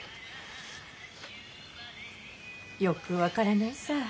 よく分からないさぁ。